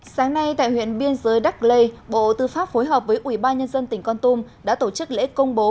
sáng nay tại huyện biên giới đắc lê bộ tư pháp phối hợp với ubnd tỉnh con tum đã tổ chức lễ công bố